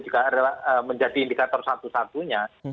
juga adalah menjadi indikator satu satunya